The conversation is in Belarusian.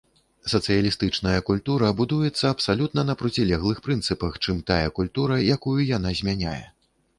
Сацыялістычная культура будуецца абсалютна на процілеглых прынцыпах, чым тая культура, якую яна змяняе.